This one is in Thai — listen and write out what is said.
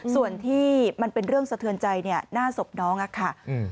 ส่วนที่มันเป็นเรื่องสะเทือนใจหน้าศพน้องอะค่ะ